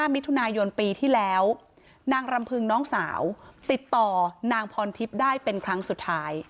มิถุนายนปีที่แล้วนางรำพึงน้องสาวติดต่อนางพรทิพย์ได้เป็นครั้งสุดท้าย